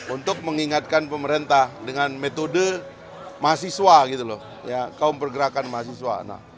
untuk mengingatkan pemerintah dengan metode mahasiswa gitu loh ya kaum pergerakan mahasiswa